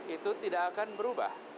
itu tidak akan berubah